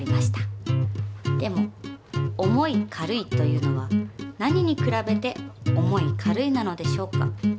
でも重い軽いというのは何にくらべて重い軽いなのでしょうか？